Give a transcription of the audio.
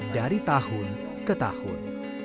dari tahun ke tahun